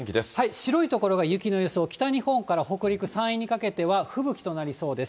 白い所が雪の予想、北日本から北陸、山陰にかけては吹雪となりそうです。